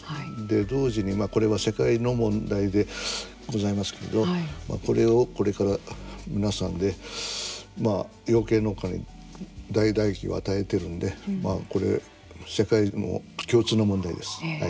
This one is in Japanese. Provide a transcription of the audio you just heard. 同時に、これは世界の問題でございますけどこれをこれから皆さんで養鶏農家に大打撃を与えてるんでこれ、世界の共通の問題です。